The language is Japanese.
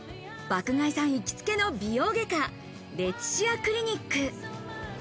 爆買いさん、行きつけの美容外科医、レティシアクリニック。